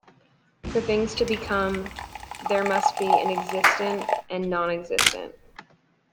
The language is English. For things to become, there must be an existent and a non-existent.